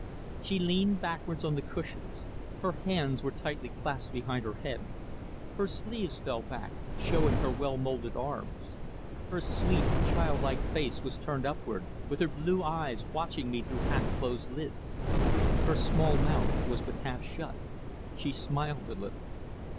She leaned backwards on the cushions; her hands were tightly clasped behind her head; her sleeves fell back, showing her well moulded arms; her sweet, childlike face was turned upward, with her blue eyes watching me through half closed lids; her small mouth was but half shut; she smiled a little.